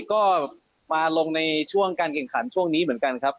ก็มาลงในช่วงการแข่งขันช่วงนี้เหมือนกันครับ